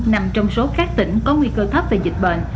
nằm trong số các tỉnh có nguy cơ thấp về dịch bệnh